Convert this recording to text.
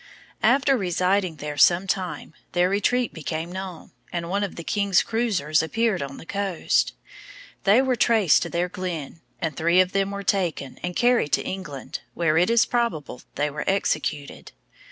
After residing there some time, their retreat became known, and one of the king's cruizers appeared on the coast. They were traced to their glen, and three of them were taken, and carried to England, where it is probable they were executed.